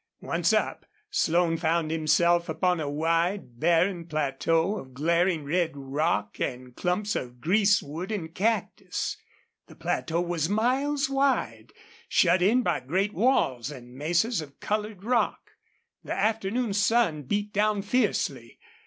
Once up, Slone found himself upon a wide, barren plateau of glaring red rock and clumps of greasewood and cactus. The plateau was miles wide, shut in by great walls and mesas of colored rock. The afternoon sun beat down fiercely.